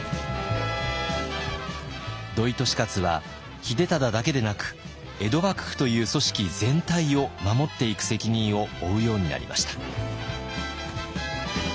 土井利勝は秀忠だけでなく江戸幕府という組織全体を守っていく責任を負うようになりました。